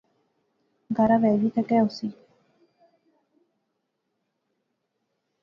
گارا وہے وی تے کہہ ہوسی